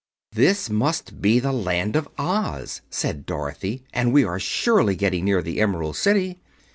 "This must be the Land of Oz," said Dorothy, "and we are surely getting near the Emerald City."